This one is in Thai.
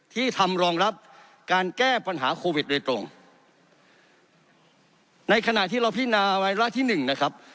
ที่ทำรองรับการแก้ปัญหาโควิดโดยตรงในขณะที่เราพินาวาระที่หนึ่งนะครับ